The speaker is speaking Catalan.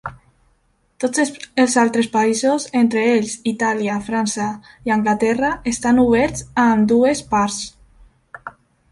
Tots els altres països, entre ells Itàlia, França i Anglaterra, estan oberts a ambdues parts.